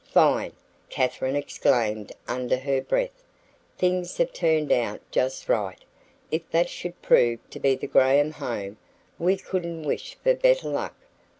"Fine!" Katharine exclaimed under her breath. "Things have turned out just right. If that should prove to be the Graham home we couldn't wish for better luck.